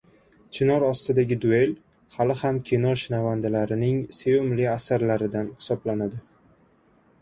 “Chinor ostidagi duel” hali-hamon kino shinavandalarining sevimli asarlaridan hisoblanadi.